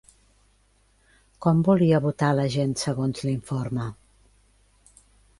Com volia votar la gent segons l'informe?